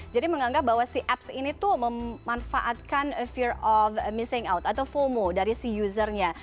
jadi menganggap bahwa si apps ini tuh memanfaatkan fear of missing out atau fomo dari si usernya